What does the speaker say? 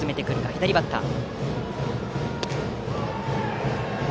左バッター。